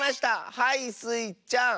はいスイちゃん。